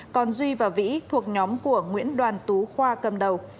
còn duy và vĩ thuộc nhóm của nguyễn đoàn tú khoa cầm đầu